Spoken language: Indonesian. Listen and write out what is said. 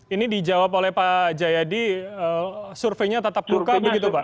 ini dijawab oleh pak jayadi surveinya tatap muka begitu pak